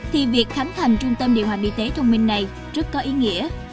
thì việc khánh thành trung tâm điều hành y tế thông minh này rất có ý nghĩa